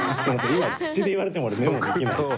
今口で言われても俺メモできないし。